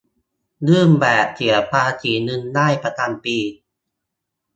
ยื่นแบบเสียภาษีเงินได้ประจำปี